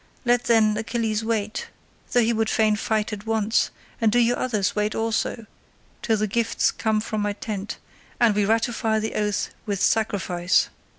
Let, then, Achilles wait, though he would fain fight at once, and do you others wait also, till the gifts come from my tent and we ratify the oath with sacrifice.